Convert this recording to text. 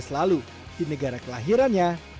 lalu di negara kelahirannya